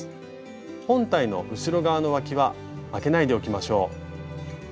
本体の後ろ側のわきはあけないでおきましょう。